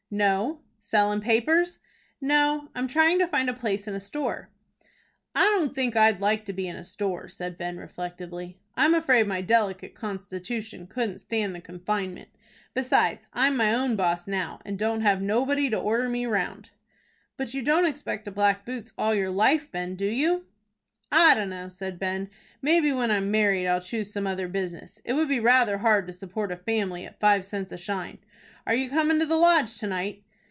"No." "Sellin' papers?" "No, I'm trying to find a place in a store." "I don't think I'd like to be in a store," said Ben, reflectively. "I'm afraid my delicate constitution couldn't stand the confinement. Besides, I'm my own boss now, and don't have nobody to order me round." "But you don't expect to black boots all your life, Ben, do you?" "I dunno," said Ben. "Maybe when I'm married, I'll choose some other business. It would be rather hard to support a family at five cents a shine. Are you comin' to the Lodge to night?"